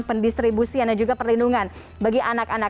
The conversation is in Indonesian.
pendistribusian dan juga perlindungan bagi anak anak